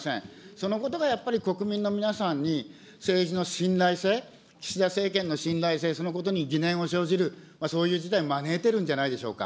そのことがやっぱり国民の皆さんに、政治の信頼性、岸田政権の信頼性、そのことに疑念を生じる、そういう事態を招いているんじゃないでしょうか。